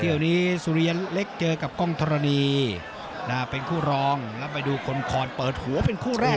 เดี๋ยวนี้สุริยันเล็กเจอกับกล้องธรณีเป็นคู่รองแล้วไปดูคนคอนเปิดหัวเป็นคู่แรก